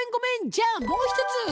じゃあもう一つ！